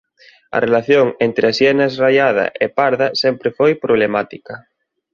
A relación entre as hienas raiada e parda sempre foi problemática.